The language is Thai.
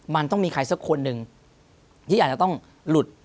มันต้องมีใครสักคนหนึ่งที่อาจจะต้องหลุด